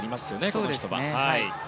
この人には。